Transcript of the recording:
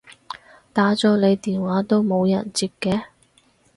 打咗你電話都冇人接嘅